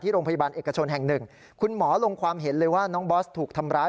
โรงพยาบาลเอกชนแห่งหนึ่งคุณหมอลงความเห็นเลยว่าน้องบอสถูกทำร้าย